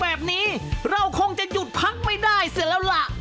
แบบนี้เราคงจะหยุดพักไม่ได้เสียแล้วล่ะ